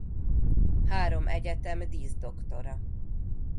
Három egyetem díszdoktora.